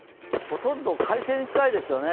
ほとんど快晴に近いですよね。